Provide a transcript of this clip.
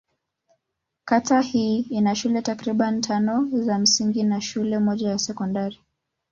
Kata hii ina shule takriban tano za msingi na shule moja ya sekondari.